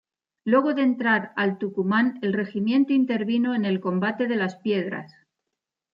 Luego de entrar al Tucumán, el regimiento intervino en el Combate de Las Piedras.